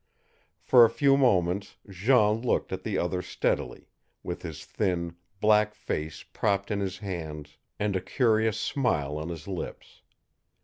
For a few moments Jean looked at the other steadily, with his thin, black face propped in his hands and a curious smile on his lips.